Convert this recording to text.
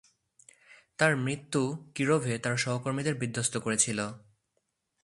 তার মৃত্যু কিরোভে তার সহকর্মীদের বিধ্বস্ত করেছিল।